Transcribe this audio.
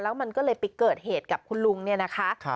แล้วมันก็เลยไปเกิดเหตุกับคุณลุงเนี่ยนะคะ